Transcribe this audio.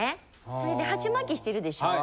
それでハチマキしてるでしょ？